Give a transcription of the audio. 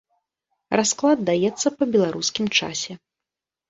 Расклад даецца па беларускім часе.